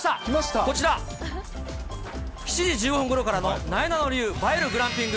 こちら、７時１５分ごろからのなえなの流映えるグランピング